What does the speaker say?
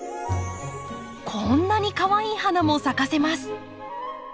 こんなにかわいい花も咲かせます。